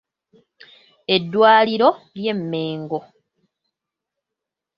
Eddwaliro ly'e Mengo.